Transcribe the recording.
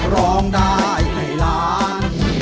ร้องได้ให้ล้าน